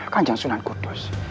kanjang sunan kudus